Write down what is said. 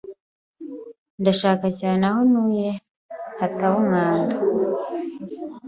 Ndashaka cyane ko aho ntuye hataba umwanda.